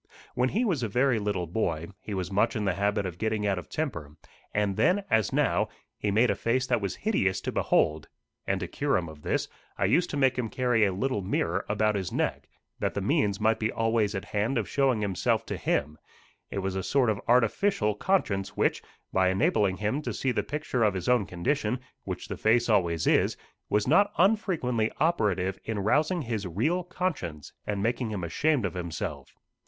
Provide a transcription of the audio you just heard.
When he was a very little boy, he was much in the habit of getting out of temper, and then as now, he made a face that was hideous to behold; and to cure him of this, I used to make him carry a little mirror about his neck, that the means might be always at hand of showing himself to him: it was a sort of artificial conscience which, by enabling him to see the picture of his own condition, which the face always is, was not unfrequently operative in rousing his real conscience, and making him ashamed of himself.